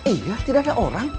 iya tidak ada orang